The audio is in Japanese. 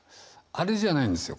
あれじゃないんですよ